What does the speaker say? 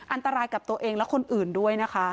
อันตรายกับตัวเองและคนอื่นด้วยนะคะ